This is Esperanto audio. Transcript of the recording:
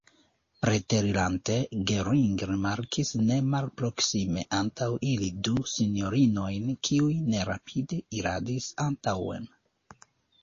Preterirante, Gering rimarkis ne malproksime antaŭ ili du sinjorinojn, kiuj nerapide iradis antaŭen.